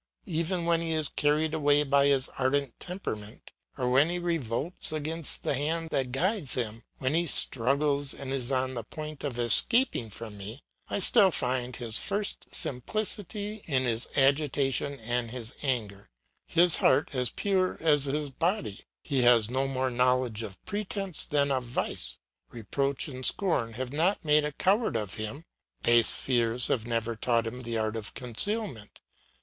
Even when he is carried away by his ardent temperament or when he revolts against the hand that guides him, when he struggles and is on the point of escaping from me, I still find his first simplicity in his agitation and his anger; his heart as pure as his body, he has no more knowledge of pretence than of vice; reproach and scorn have not made a coward of him; base fears have never taught him the art of concealment.